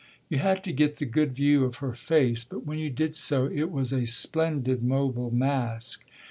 You had to get the good view of her face, but when you did so it was a splendid mobile mask.